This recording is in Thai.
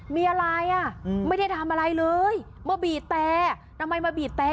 มีอะไรอ่ะไม่ได้ทำอะไรเลยมาบีบแต่ทำไมมาบีบแต่